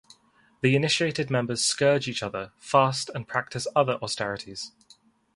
The initiated members scourge each other, fast, and practice other austerities.